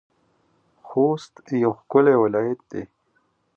خوست يو ښکلی ولايت دی.